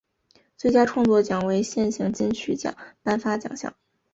最佳创作奖为现行金曲奖颁发奖项。